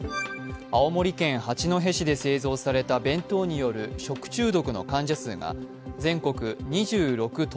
青森県八戸市で製造された弁当による食中毒の患者数が全国２６の都